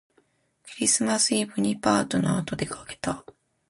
クリスマスイブにパートナーとでかけた